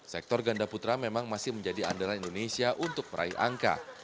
sektor ganda putra memang masih menjadi andalan indonesia untuk meraih angka